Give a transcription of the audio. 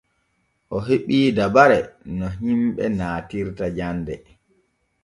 O heɓii dabare no himɓe naatirta jande.